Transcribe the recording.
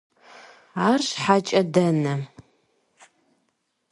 Арщхьэкӏэ, дэнэ?